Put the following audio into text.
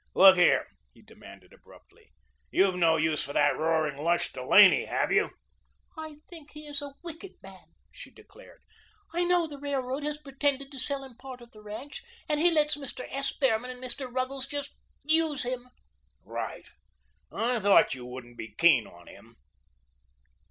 Look here," he demanded abruptly, "you've no use for that roaring lush, Delaney, have you?" "I think he is a wicked man," she declared. "I know the Railroad has pretended to sell him part of the ranch, and he lets Mr. S. Behrman and Mr. Ruggles just use him." "Right. I thought you wouldn't be keen on him."